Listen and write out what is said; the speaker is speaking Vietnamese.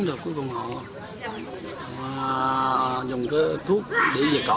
rồi cuối cùng họ dùng cái thuốc để vẹt cỏ